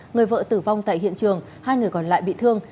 người vợ tử vong tại hiện trường hai người còn lại bị thương